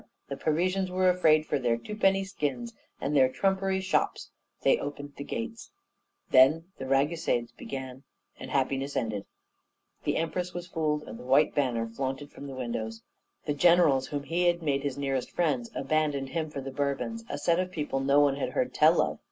the Parisians were afraid for their twopenny skins, and their trumpery shops; they opened the gates. Then the Ragusades began, and happiness ended. The Empress was fooled, and the white banner flaunted from the windows. The generals whom he had made his nearest friends abandoned him for the Bourbons a set of people no one had heard tell of.